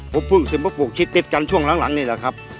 ผมเพิ่งซึมมาปลูกชิดติดกันช่วงหลังนี่แหละครับ